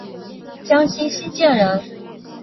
江西新建人。